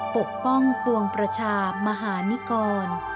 ปกป้องปวงประชามหานิกร